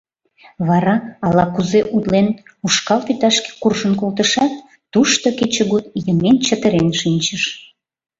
Вара, ала-кузе утлен, ушкал вӱташке куржын колтышат, тушто кечыгут йымен-чытырен шинчыш.